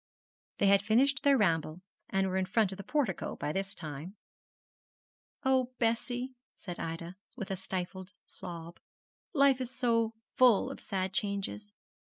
They had finished their ramble, and were in front of the portico by this time. 'Oh, Bessie!' said Ida, with a stifled sob, 'life is full of sad changes.